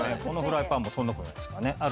このフライパンはそんな事ないですからね。